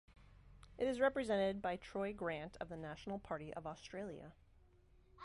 It is represented by Troy Grant of the National Party of Australia.